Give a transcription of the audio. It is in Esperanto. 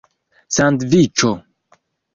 sandviĉo